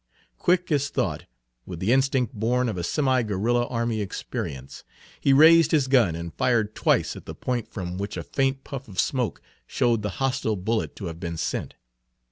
Quick as thought, with the instinct born of a semi guerrilla army experience, he raised his gun and fired twice at the point from which a faint puff of smoke showed the hostile bullet to have been sent.